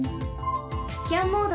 スキャンモード